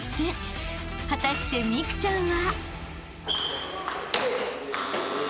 ［果たして美空ちゃんは］